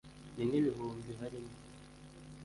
ni nk’ ibihumbi…harimo